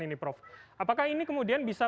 ini prof apakah ini kemudian bisa